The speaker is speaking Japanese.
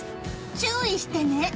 注意してね。